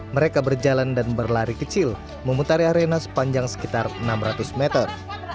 mereka berjalan dan berlari kecil memutari arena sepanjang sekitar enam ratus meter